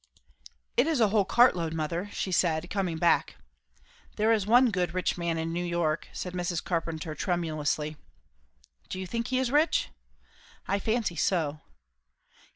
"It is a whole cart load, mother," she said coming back. "There is one good rich man in New York," said Mrs. Carpenter tremulously. "Do you think he is rich?" "I fancy so."